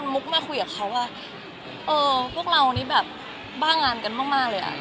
มุกมาคุยกับเขาว่าพวกเรานี่แบบบ้างานกันมากเลยอ่ะ